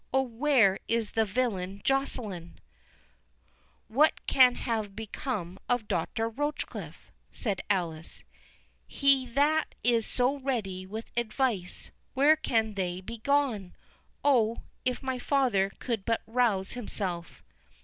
Oh, where is the villain Joceline!" "What can have become of Doctor Rochecliffe?" said Alice; "he that is so ready with advice;—where can they be gone? Oh, if my father could but rouse himself!"